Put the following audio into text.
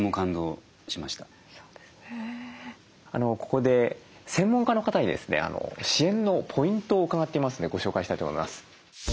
ここで専門家の方にですね支援のポイントを伺っていますのでご紹介したいと思います。